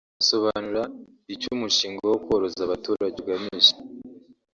Asobanura icyo umushinga wo koroza abaturage ugamije